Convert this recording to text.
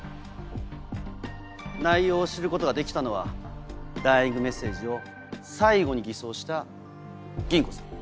内容を知ることができたのはダイイングメッセージを最後に偽装した銀子さん。